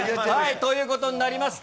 ということになりました。